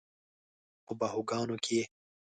په باهوګانو کې یې